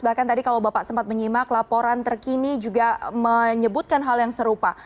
bahkan tadi kalau bapak sempat menyimak laporan terkini juga menyebutkan hal yang serupa